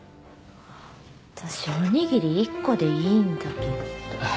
私おにぎり１個でいいんだけど。